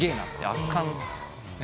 圧巻。